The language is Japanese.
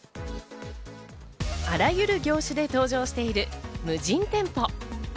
あらゆる業種で登場している無人店舗。